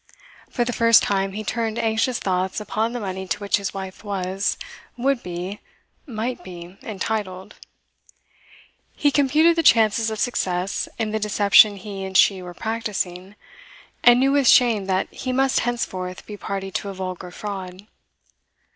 For the first time, he turned anxious thoughts upon the money to which his wife was would be might be entitled. He computed the chances of success in the deception he and she were practising, and knew with shame that he must henceforth be party to a vulgar fraud.